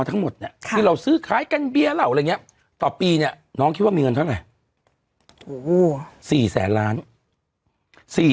ทั้งหมดเนี่ยที่เราซื้อขายกันเบี้ยเหล่าอะไรอย่างนี้ต่อปีเนี่ยน้องคิดว่ามีเงินเท่าไหร่